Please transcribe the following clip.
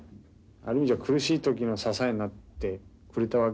ある意味じゃ苦しい時の支えになってくれたわけですよね。